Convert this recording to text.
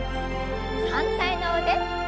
反対の腕。